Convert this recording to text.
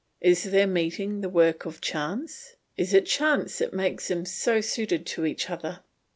Is their meeting the work of chance? Is it chance that makes them so suited to each other?